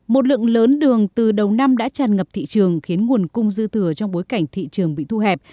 một lượng lớn đường từ đầu năm đã tràn ngập thị trường khiến nguồn cung dư thừa trong bối cảnh thị trường bị thu hẹp